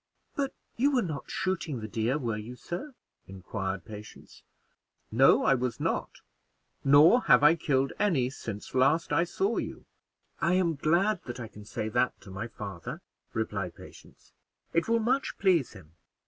"But you were not shooting the deer, were you, sir?" inquired Patience. "No, I was not; nor have I killed any since last I saw you." "I am glad that I can say that to my father," replied Patience; "it will much please him.